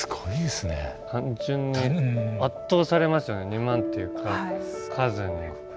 ２万っていう数に。